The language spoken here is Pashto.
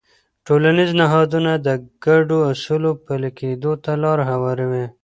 ټولنیز نهادونه د ګډو اصولو پلي کېدو ته لاره هواروي.